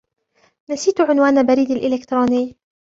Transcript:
نسيتُ عنوان بريدي الإلكتروني.